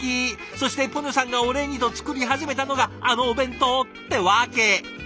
そしてポニョさんがお礼にと作り始めたのがあのお弁当ってわけ。